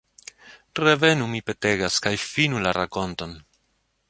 Revenu, mi petegas, kaj finu la rakonton.